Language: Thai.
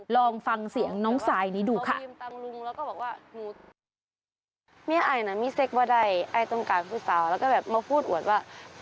ลองฟังเสียงน้องซายนี้ดูค่ะ